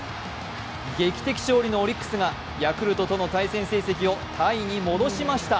劇的勝利のオリックスがヤクルトとの対戦成績をタイに戻しました。